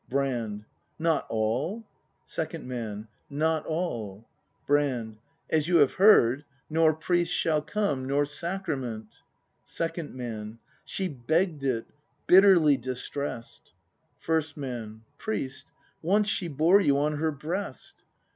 Brand. Not all.? Second Man. Not all Brand. As you have heard: — Nor priest shall come, nor sacrament. Second Man. She begg'd it, bitterly distress'd First Man. Priest, once she bore you on her breast!